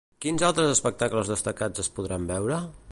Quins altres espectacles destacats es podran veure?